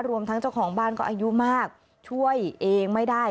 รวมทั้งเจ้าของบ้านก็อายุมากช่วยเองไม่ได้